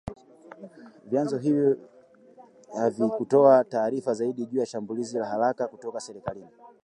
Vyanzo hivyo havikutoa taarifa zaidi juu ya shambulizi la haraka kutoka serikalini